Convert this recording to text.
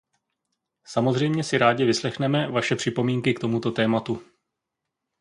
Samozřejmě si rádi vyslechneme vaše připomínky k tomuto tématu.